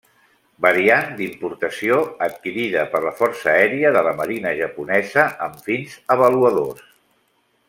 Variant d'importació adquirida per la força aèria de la marina japonesa amb fins avaluadors.